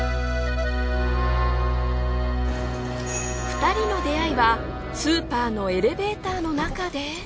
２人の出会いはスーパーのエレベーターの中で。